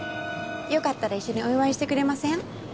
よかったら一緒にお祝いしてくれません？